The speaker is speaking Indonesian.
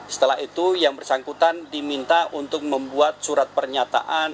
setelah itu yang bersangkutan diminta untuk membuat surat pernyataan